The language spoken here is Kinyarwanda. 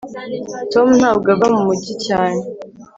tom ntabwo ava mu mujyi cyane